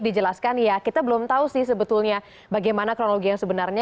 dijelaskan ya kita belum tahu sih sebetulnya bagaimana kronologi yang sebenarnya